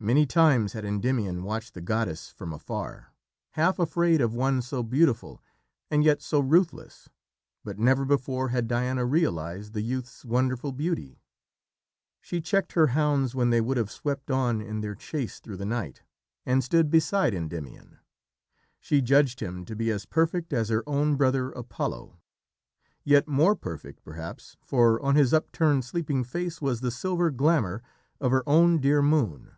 Many times had Endymion watched the goddess from afar, half afraid of one so beautiful and yet so ruthless, but never before had Diana realised the youth's wonderful beauty. She checked her hounds when they would have swept on in their chase through the night, and stood beside Endymion. She judged him to be as perfect as her own brother, Apollo yet more perfect, perhaps, for on his upturned sleeping face was the silver glamour of her own dear moon.